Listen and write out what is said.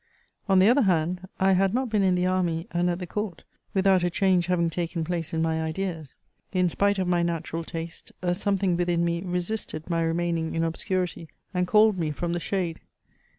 On the other hand, I had not been in the army and at the court, without a change having taken place in my ideas. In spite of my natural taste, a something within me resisted my remaining in obscurity, and called me from the shade.